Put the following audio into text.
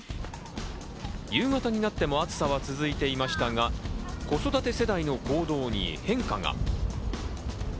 夕方になっても暑さは続いていましたが、子育て世代の行動に変化が。